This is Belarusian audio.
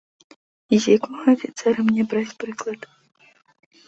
І з якога афіцэра мне браць прыклад?